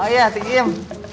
oh iya tukiem